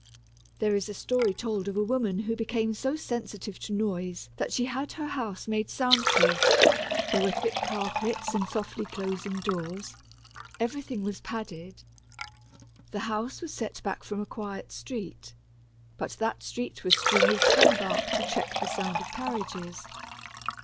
There is a story told of a woman who became so sensitive to noise that she had her house made sound proof: there were thick carpets and softly closing doors; everything was padded. The house was set back from a quiet street, but that street was strewn with tanbark to check the sound of carriages.